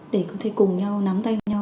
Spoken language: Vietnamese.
để có thể cùng nhau nắm tay nhau